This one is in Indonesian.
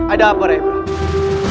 ada apa rai prabu